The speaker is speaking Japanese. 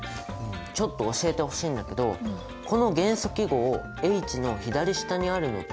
ちょっと教えてほしいんだけどこの元素記号Ｈの左下にあるのって原子番号だよね？